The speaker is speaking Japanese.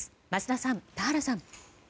桝田さん、田原さん。